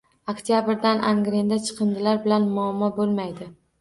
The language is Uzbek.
Oktyabrdan Angrenda chiqindilar bilan muammo boʻlmaydi.